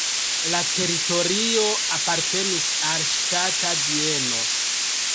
La teritorio apartenis al ŝtata bieno.